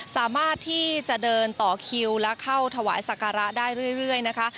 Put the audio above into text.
สามารถที่จะเดินต่อคิวและเข้าถวายสักการะได้เรื่อยนะคะ